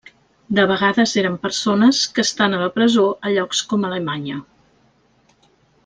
De vegades eren persones que estan a la presó a llocs com Alemanya.